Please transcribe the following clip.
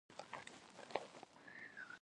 دواړه د پښتو نثر د نوي سبک ايجادګران وو.